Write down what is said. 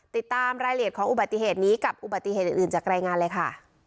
ติดตามรายละเอียดของอุบัติเหตุนี้กับอุบัติเหตุอื่นจากรายงานเลยค่ะ